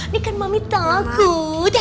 nih kan mami takut